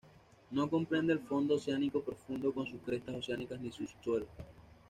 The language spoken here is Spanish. No comprende el fondo oceánico profundo con sus crestas oceánicas ni su subsuelo.